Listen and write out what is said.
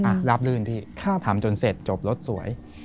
อ่ะรับลื่นที่ถามจนเสร็จจบรถสวย